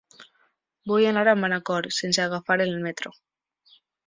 Vull anar a Manacor sense agafar el metro.